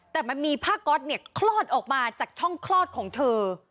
แต่มันมีผ้าก๊อตเนี่ยคลอดออกมาจากช่องคลอดของเธอ